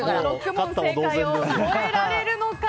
６問正解を超えられるのか。